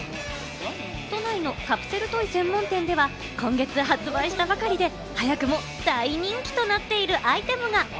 都内のカプセルトイ専門店では今月発売したばかりで、早くも大人気となっているアイテムが。